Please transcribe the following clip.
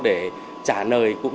để trả lời